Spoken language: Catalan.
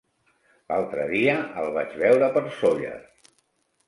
L'altre dia el vaig veure per Sóller.